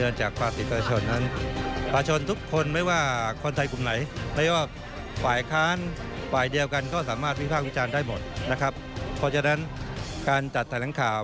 อย่าไปพูดอย่างนั้นเลยครับ